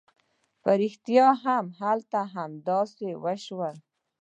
په رښتيا هم هلته همداسې وشول.